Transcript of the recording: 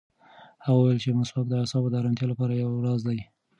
هغه وویل چې مسواک د اعصابو د ارامتیا لپاره یو راز دی.